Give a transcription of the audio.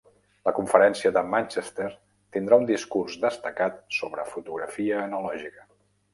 La conferència de Manchester tindrà un discurs destacat sobre fotografia analògica.